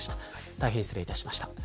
大変失礼いたしました。